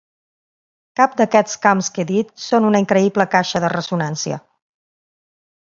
Cap d'aquests camps que he dit són una increïble caixa de ressonància.